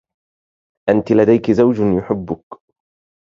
أنتِ لديكِ زوج يحبُّكِ.